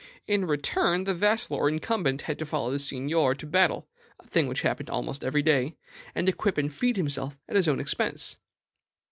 In return, the vassal or incumbent had to follow the seignior to battle (a thing which happened almost every day), and equip and feed himself at his own expense.